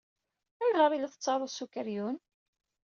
Ayɣer ay la tettaruḍ s ukeryun?